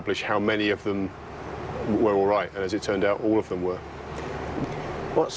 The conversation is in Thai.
พีชนามีแล้วพวกน้องลูกก็กลับมาดื่มไหว